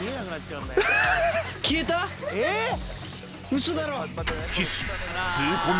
ウソだろ⁉